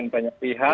dengan banyak pihak